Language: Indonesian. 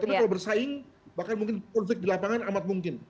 tapi kalau bersaing bahkan mungkin konflik di lapangan amat mungkin